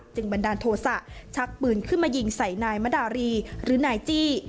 บันดาลโทษะชักปืนขึ้นมายิงใส่นายมดารีหรือนายจี้